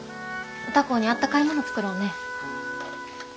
歌子にあったかいもの作ろうねぇ。